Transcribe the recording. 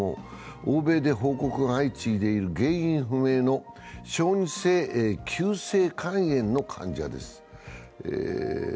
欧米で報告が相次いでいる原因不明の小児性急性肝炎の患者です。